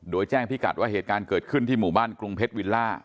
โดยแจ้งพิกัดว่าเหตุการณ์เกิดขึ้นที่หมู่บ้านกรุงเพชรวิลล่า